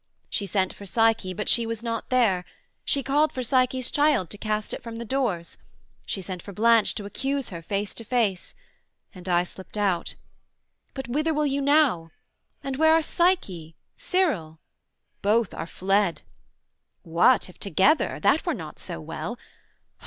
She sent For Psyche, but she was not there; she called For Psyche's child to cast it from the doors; She sent for Blanche to accuse her face to face; And I slipt out: but whither will you now? And where are Psyche, Cyril? both are fled: What, if together? that were not so well.